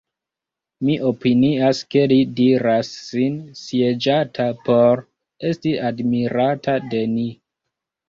Mi opinias, ke li diras sin sieĝata, por esti admirata de ni.